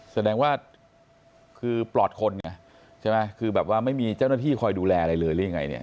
แสดงว่าคือปลอดคนไม่มีเจ้าหน้าที่คอยดูแลอะไรเลย